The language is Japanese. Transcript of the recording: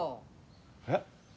えっ？